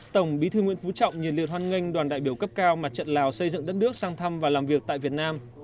tổng bí thư nguyễn phú trọng nhiệt liệt hoan nghênh đoàn đại biểu cấp cao mặt trận lào xây dựng đất nước sang thăm và làm việc tại việt nam